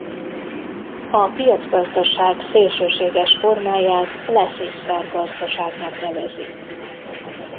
A piacgazdaság szélsőséges formáját laissez-faire gazdaságnak nevezik.